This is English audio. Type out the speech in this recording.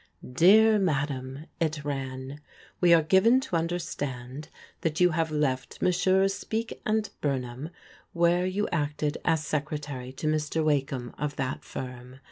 " Dear Madam, (it ran) " We are given to understand that you have left Messrs. Speke and Bumham, where you acted as secretary to Mr. Wakeham, of that firm.